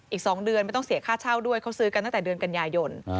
อีก๒เดือนไม่ต้องเสียค่าเช่าด้วยเขาซื้อกันตั้งแต่เดือนกันยายน